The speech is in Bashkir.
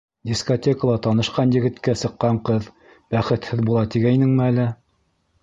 Дискотекала танышҡан егеткә сыҡҡан ҡыҙ бәхетһеҙ була тигәйнеңме әле?